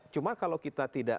cuma kalau kita tidak